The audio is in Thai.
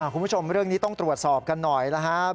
คุณผู้ชมเรื่องนี้ต้องตรวจสอบกันหน่อยนะครับ